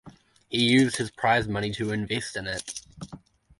He used his prize money to invest in it.